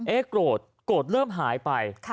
โกรธโกรธเริ่มหายไป